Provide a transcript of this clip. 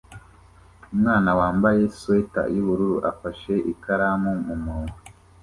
Umwana wambaye swater yubururu afashe ikaramu mumunwa